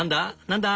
何だ？」